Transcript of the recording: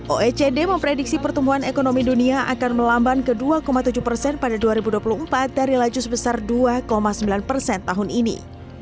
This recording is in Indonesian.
oecd memprediksi pertumbuhan ekonomi dunia akan melamban ke dua tujuh persen pada dua ribu dua puluh empat dari laju sebesar dua sembilan persen tahun ini